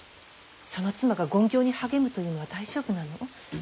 その妻が勤行に励むというのは大丈夫なの。